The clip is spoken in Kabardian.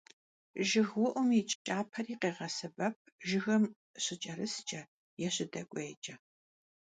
ЖыгыуIум и кIапэри къегъэсэбэп жыгым щыкIэрыскIэ е щыдэкIуейкIэ.